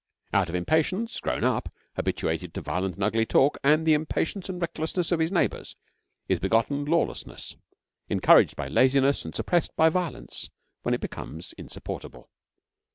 Out of impatience, grown up, habituated to violent and ugly talk, and the impatience and recklessness of his neighbours, is begotten lawlessness, encouraged by laziness and suppressed by violence when it becomes insupportable.